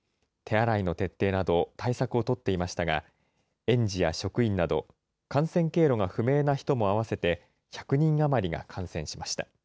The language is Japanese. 手洗いの徹底など対策を取っていましたが、園児や職員など、感染経路が不明な人も合わせて１００人余りが感染しました。